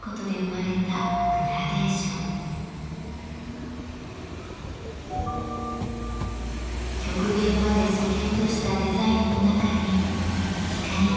極限までそぎ落としたデザインの中に光が表情を宿します。